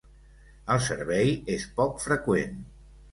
El servei és poc freqüent.